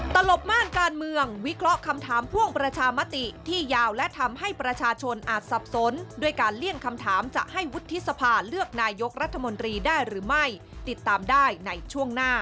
ตลบม่านการเมืองวิเคราะห์คำถามพ่วงประชามติที่ยาวและทำให้ประชาชนอาจสับสนด้วยการเลี่ยงคำถามจะให้วุฒิสภาเลือกนายกรัฐมนตรีได้หรือไม่ติดตามได้ในช่วงหน้า